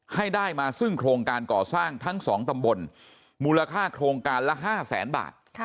ให้ได้มาซึ่งโครงการก่อสร้างทั้ง๒ตำบลมูลค่าโครงการละ๕แสนบาท